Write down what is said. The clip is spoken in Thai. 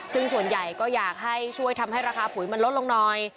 ซึ่งส่วนใหญ่ก็อยากให้ช่วยทำให้ราคาปุ๋ยมันลดลงหน่อย